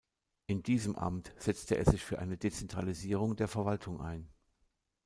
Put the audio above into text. In diesem Amt setzte er sich für eine Dezentralisierung der Verwaltung ein.